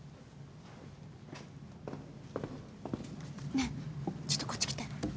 ねえちょっとこっち来て。